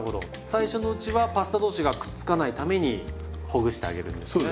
最初のうちはパスタ同士がくっつかないためにほぐしてあげるんですね。